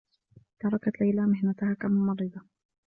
تركت ليلى مهنتها كممرّضة.